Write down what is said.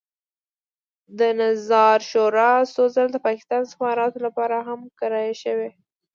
د نظار شورا څو ځله د پاکستاني استخباراتو لپاره هم کرایه شوې.